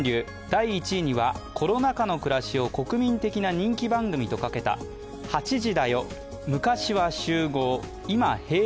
第１位にはコロナ禍の暮らしを国民的な人気番組とかけた「８時だョ！！